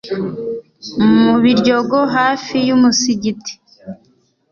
mu Biryogo hafi y’umusigiti